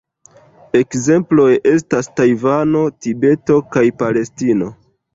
Ekzemploj estas Tajvano, Tibeto kaj Palestino.